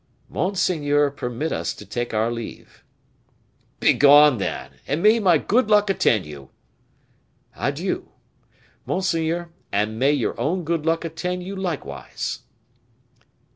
"Monseigneur, permit us to take our leave." "Begone, then, and may my good luck attend you." "Adieu! monseigneur; and may your own good luck attend you likewise."